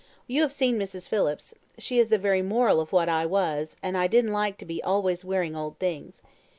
You have seen Mrs. Phillips she is the very moral of what I was, and I didn't like to be always wearing old things.